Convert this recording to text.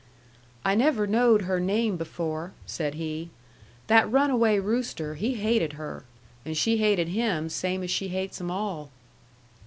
"I never knowed her name before," said he. "That runaway rooster, he hated her. And she hated him same as she hates 'em all."